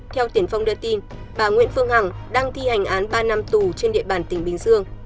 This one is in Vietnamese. theo tiền phong đưa tin bà nguyễn phương hằng đang thi hành án ba năm tù trên địa bàn tỉnh bình dương